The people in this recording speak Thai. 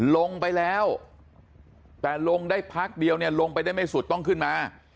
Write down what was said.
ลงไปแล้วแต่ลงได้พักเดียวเนี่ยลงไปได้ไม่สุดต้องขึ้นมา